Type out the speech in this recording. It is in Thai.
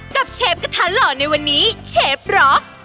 เชฟกระทะหล่อในวันนี้เชฟร็อก